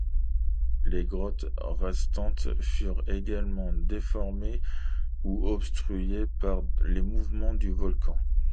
Les grottes restantes furent également déformées ou obstruées par les mouvements du volcan.